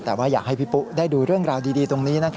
แต่ว่าอยากให้พี่ปุ๊ได้ดูเรื่องราวดีตรงนี้